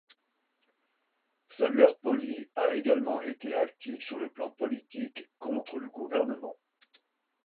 Sa mère Polly a également été active sur le plan politique contre le gouvernement.